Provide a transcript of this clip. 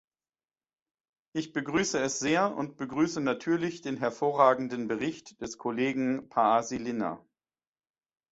Ich begrüße es sehr und begrüße natürlich den hervorragenden Bericht des Kollegen Paasilinna.